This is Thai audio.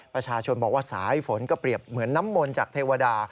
ประชาชนบอกว่าสายฝนก็เปรียบเหมือนน้ำมนต์จากเทวดา